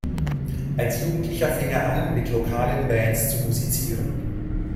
Als Jugendlicher fing er an, mit lokalen Bands zu musizieren.